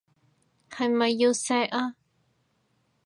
係咪要錫啊？